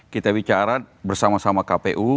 kita bicara bersama sama kpu